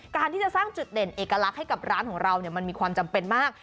การที่จะสร้างจุดเด่นเอกลักษณ์ให้กับร้านของเรามันมีความจำเป็นมาก